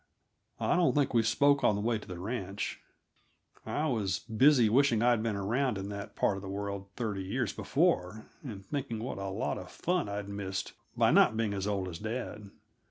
I don't think we spoke on the way to the ranch; I was busy wishing I'd been around in that part of the world thirty years before, and thinking what a lot of fun I had missed by not being as old as dad.